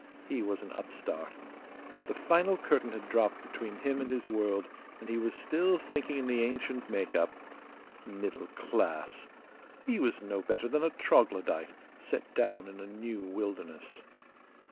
He was an upstart. The final curtain had dropped between him and his world, and he was still thinking in the ancient make up. Middle class! He was no better than a troglodyte, set down in a new wilderness.